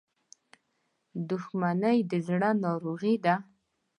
• دښمني د زړه ناروغي ده.